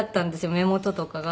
目元とかが。